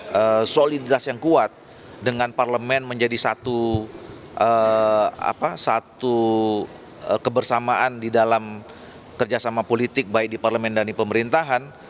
karena soliditas yang kuat dengan parlemen menjadi satu kebersamaan di dalam kerjasama politik baik di parlemen dan di pemerintahan